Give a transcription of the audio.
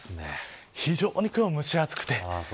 非常に今日は蒸し暑くて。